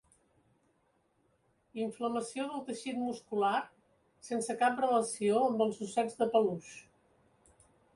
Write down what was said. Inflamació del teixit muscular sense cap relació amb els ossets de peluix.